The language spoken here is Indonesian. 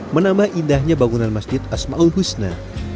menambah indahnya bangunan masjid asma ul husna